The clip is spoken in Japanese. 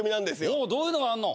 おうどういうのがあんの？